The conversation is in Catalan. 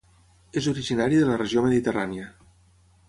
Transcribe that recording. És originari de la regió mediterrània.